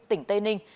tỉnh tây ninh